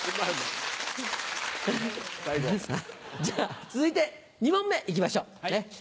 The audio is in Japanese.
じゃあ続いて２問目行きましょう。